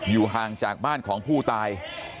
ห่างจากบ้านของผู้ตาย